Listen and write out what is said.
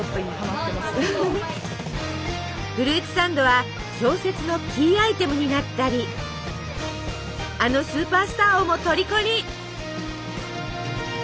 フルーツサンドは小説のキーアイテムになったりあのスーパースターをもとりこに！